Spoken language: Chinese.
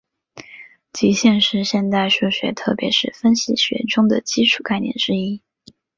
极限是现代数学特别是分析学中的基础概念之一。